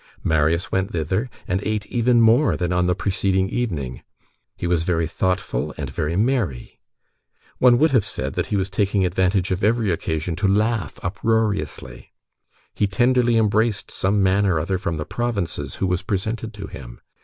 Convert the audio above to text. Marius went thither, and ate even more than on the preceding evening. He was very thoughtful and very merry. One would have said that he was taking advantage of every occasion to laugh uproariously. He tenderly embraced some man or other from the provinces, who was presented to him.